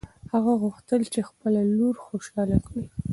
هغه غوښتل چې خپله لور خوشحاله کړي.